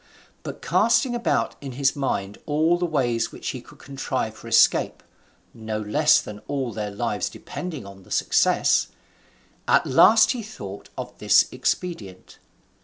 But casting about in his mind all the ways which he could contrive for escape (no less than all their lives depending on the success), at last he thought of this expedient.